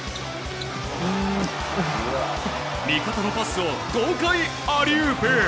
味方のパスを豪快アリウープ！